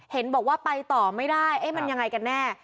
เห็นบอกว่าไปต่อไม่ได้มันยังไงกันแน่